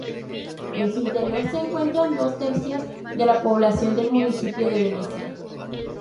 En su interior se encuentran dos tercios de la población del municipio de Venecia.